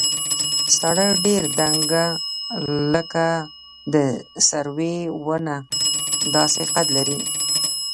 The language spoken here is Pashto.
ساره ډېره دنګه لکه د سروې ونه داسې قد لري.